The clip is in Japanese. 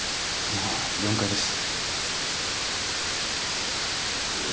あ４階です。